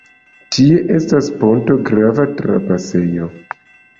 Tie estas ponto, grava trapasejo.